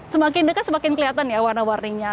semakin dekat semakin kelihatan ya warna warninya